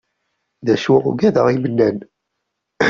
D acu ugadeɣ imennan.